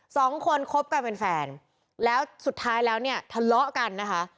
สองคนคบกันเป็นแฟนแล้วสุดท้ายแล้วเนี่ยทะเลาะกันนะคะ